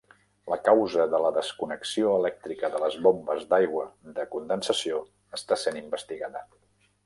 La causa de la desconnexió elèctrica de les bombes d'aigua de condensació està sent investigada.